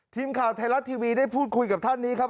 ทีมข่าวไทยรัฐทีวีได้พูดคุยกับท่านนี้ครับ